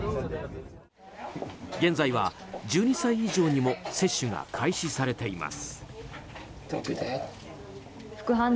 現在は１２歳以上にも接種が開始されています。